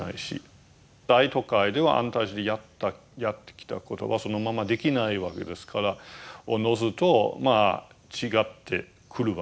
大都会では安泰寺でやってきたことはそのままできないわけですからおのずとまあ違ってくるわけですね。